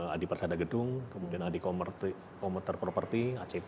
adi persada gedung kemudian adi komoter properti acp